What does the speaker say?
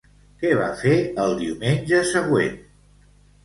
Què va fer el diumenge següent?